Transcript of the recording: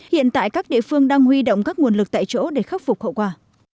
hiện tại các địa phương đang huy động các nguồn lực tại chỗ để khắc phục hậu quả